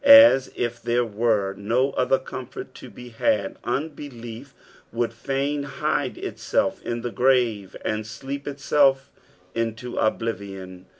As if tliere were no other comfort to be had, unbelief would fain hide itself in the grave and sleep itself into oblivion.